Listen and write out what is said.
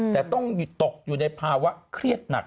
แต่ต้องตกอยู่ในภาวะเครียดหนัก